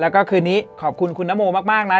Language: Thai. แล้วก็คืนนี้ขอบคุณคุณนโมมากนะ